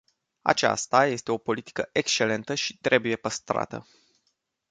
Aceasta este o politică excelentă și trebuie păstrată.